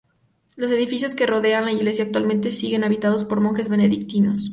Los edificios que rodean la iglesia, actualmente siguen habitados por monjes benedictinos.